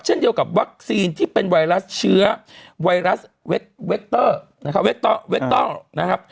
เช่นเดียวกับวัคซีนที่เป็นไวรัสเชื้อไวรัสเวคเตอร์นะครับเวกต้องนะครับ